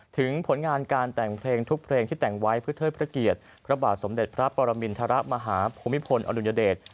ถึงผลงานการแต่งเพลงทุกเพลงที่แต่งไว้เพื่อเทิดพระเกียรติพระบาทสมเด็จพระปรมินทรมาฮภูมิพลอดุลยเดช